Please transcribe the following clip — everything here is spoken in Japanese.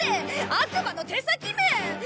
悪魔の手先め！